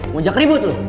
mau jak ribut lo